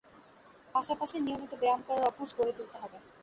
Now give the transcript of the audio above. পাশাপাশি নিয়মিত ব্যায়াম করার অভ্যাস গড়ে তুলতে হবে।